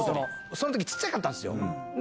そのとき、ちっちゃかったんですよ。